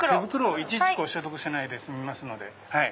いちいち消毒しないで済みますので。